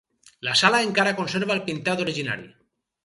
La sala encara conserva el pintat originari.